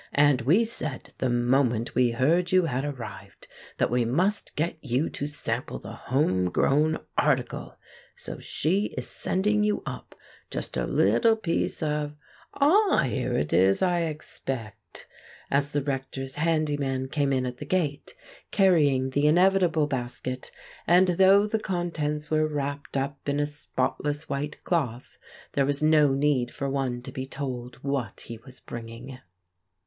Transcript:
And we said, the moment we heard you had arrived, that we must get you to sample the home grown article, so she is sending you up just a little piece of—— Ah, here it is, I expect"—as the Rector's handy man came in at the gate, carrying the inevitable basket; and though the contents were wrapped up in a spotless white cloth, there was no need for one to be told what he was bringing.